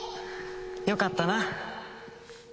よかったな。